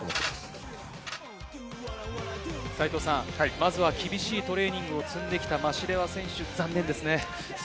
まずは厳しいトレーニングを積んできたマシレワ選手、残念ですね。